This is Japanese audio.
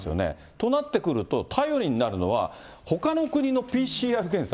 となってくると、頼りになるのは、ほかの国のＰＣＲ検査。